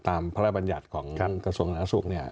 ตามพระบัญญัติของกระทรวงศาสตร์ศุกร์เนี่ย